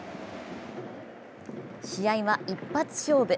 試合は一発勝負。